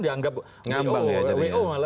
dianggap wo wo